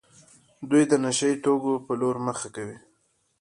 دوی د نشه يي توکو په لور مخه کوي.